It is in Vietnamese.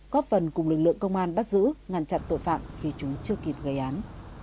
góp phần cùng lực lượng công an bắt giữ ngăn chặn tội phạm khi chúng chưa kịp gây án